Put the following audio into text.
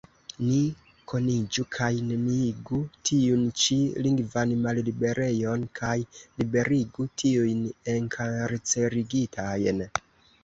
Ni kuniĝu kaj neniigu tiun ĉi lingvan malliberejon kaj liberigu tiujn enkarcerigitajn